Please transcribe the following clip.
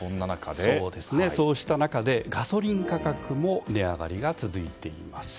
そうした中で、ガソリン価格も値上がりが続いています。